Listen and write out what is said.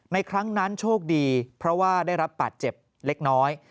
ครั้งนั้นโชคดีเพราะว่าได้รับบาดเจ็บเล็กน้อย